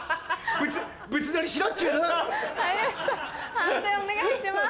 判定お願いします。